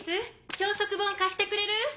教則本貸してくれる？